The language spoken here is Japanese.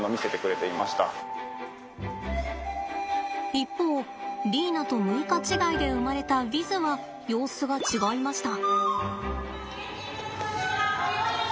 一方リーナと６日違いで生まれたヴィズは様子が違いました。